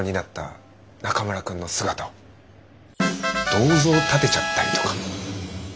銅像建てちゃったりとか。